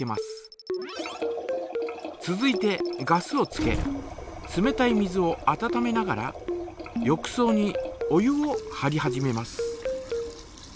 続いてガスをつけ冷たい水を温めながら浴そうにお湯をはり始めます。